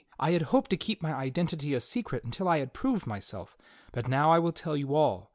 I had hoped to keep my identity a secret until I had proved myself; but now I will tell you all.